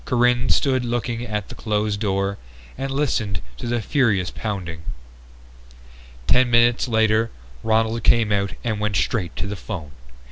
Corinne stood looking at the closed door and listened to the furious pounding. Ten minutes later Ronald came out and went straight to the phone.